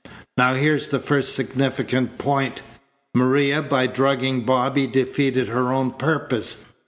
"Now here's the first significant point: Maria by drugging Bobby defeated her own purpose.